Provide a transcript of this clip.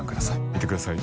見てください。